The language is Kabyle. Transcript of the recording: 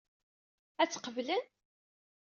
Ad tt-qeblen?